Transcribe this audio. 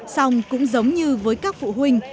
xong cũng giống như với các phụ huynh